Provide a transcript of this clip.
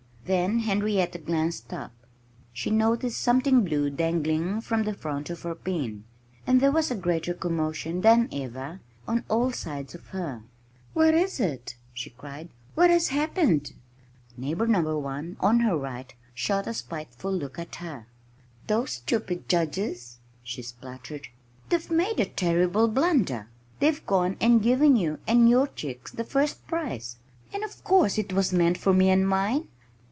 Then Henrietta glanced up. She noticed something blue dangling from the front of her pen. And there was a greater commotion than ever on all sides of her. "What is it?" she cried. "What has happened?" Neighbor Number 1, on her right, shot a spiteful look at her. "Those stupid judges!" she spluttered. "They've made a terrible blunder. They've gone and given you and your chicks the first prize. And of course it was meant for me and mine!"